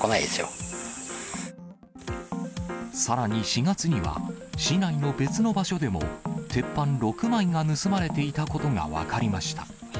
さらに４月には、市内の別の場所でも、鉄板６枚が盗まれていたことが分かりました。